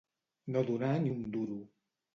No donar ni un duro.